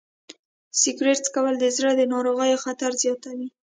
سګریټ څکول د زړه د ناروغیو خطر زیاتوي.